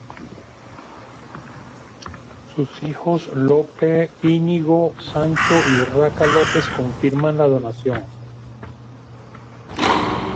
Sus hijos Lope, Íñigo, Sancho y Urraca López confirman la donación.